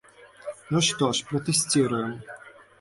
Ну што ж, пратэсціруем.